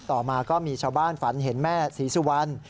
ต่อมาก็มีชาวบ้านฝันเห็นแม่ศรีสุวรรณ